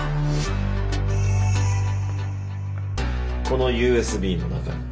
このＵＳＢの中に。